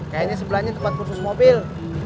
kayaknya sebelahnya tempat kursus mobil